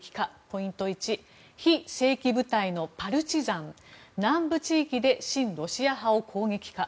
ポイント１非正規部隊のパルチザン南部地域で親ロシア派を攻撃か。